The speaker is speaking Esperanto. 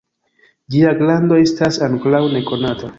Ĝia grando estas ankoraŭ nekonata.